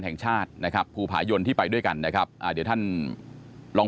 แห่งชาตินะครับภูผายนที่ไปด้วยกันนะครับอ่าเดี๋ยวท่านลอง